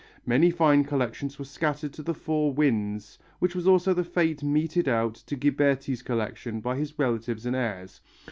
Many fine collections were scattered to the four winds, which was also the fate meted out to Ghiberti's collection by his relatives and heirs.